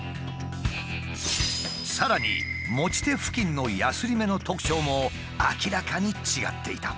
さらに持ち手付近のやすり目の特徴も明らかに違っていた。